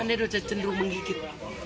andai andai cenderung menggigit